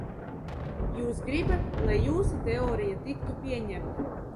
Jūs gribat, lai jūsu teorija tiktu pieņemta?